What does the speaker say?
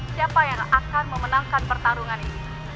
siapa yang akan memenangkan pertarungan ini